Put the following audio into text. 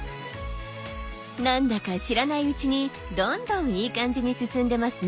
何だか知らないうちにどんどんいい感じに進んでますね。